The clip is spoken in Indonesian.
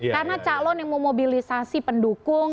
karena calon yang memobilisasi pendukung